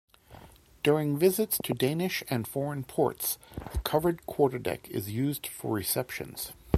During visits to Danish and foreign ports the covered quarterdeck is used for receptions.